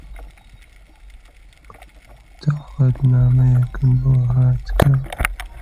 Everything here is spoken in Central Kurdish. دەعوەتنامەیەکم بۆ هات کە: